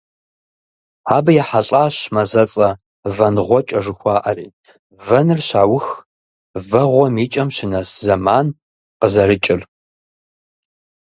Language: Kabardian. Абы ехьэлӀащ мазэцӀэ - ВэнгъуэкӀэ жыхуаӀэри: вэныр щаух, вэгъуэм и кӀэм щынэс зэман къызэрыкӀыр.